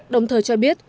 đồng thời cho biết